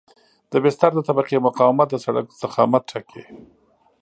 د بستر د طبقې مقاومت د سرک ضخامت ټاکي